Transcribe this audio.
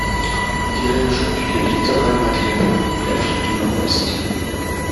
On dirait aujourd'hui le littoral maghrébin ou l'Afrique du Nord-Ouest.